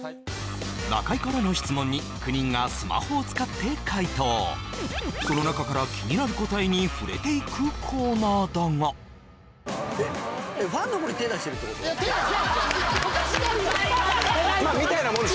中居からの質問に９人がスマホを使って回答そのなかから気になる答えに触れていくコーナーだがいや手出してないおかしなるやんまあみたいなもんです